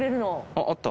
あっあった。